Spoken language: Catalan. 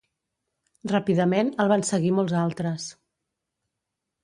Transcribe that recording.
Ràpidament el van seguir molts altres.